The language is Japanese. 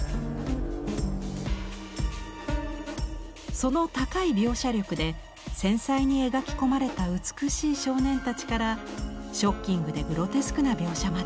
その高い描写力で繊細に描き込まれた美しい少年たちからショッキングでグロテスクな描写まで。